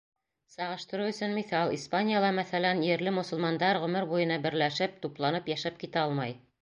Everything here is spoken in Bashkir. Сағыштырыу өсөн миҫал: Испанияла, мәҫәлән, ерле мосолмандар ғүмер буйына берләшеп, тупланып йәшәп китә алмай.